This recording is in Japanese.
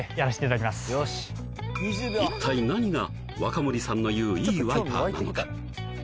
一体何が和歌森さんのいういいワイパーなのか？